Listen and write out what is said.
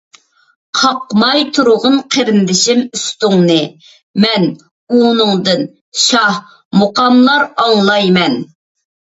قاقماي تۇرغىن قېرىندىشىم ئۈستۈڭنى، مەن ئۇنىڭدىن شاھ مۇقاملار ئاڭلاي مەن.